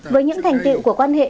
với những thành tựu của quan hệ